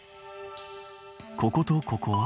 こことここは。